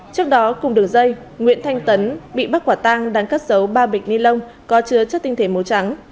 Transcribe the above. trước đó cùng đường dây nguyễn thanh tấn bị bắt quả tang đang cất giấu ba bịch ni lông có chứa chất tinh thể màu trắng